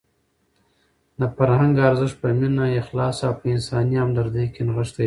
د فرهنګ ارزښت په مینه، اخلاص او په انساني همدردۍ کې نغښتی دی.